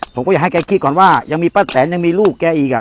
ผมก็อยากให้แกคิดก่อนว่ายังมีป้าแตนยังมีลูกแกอีกอ่ะ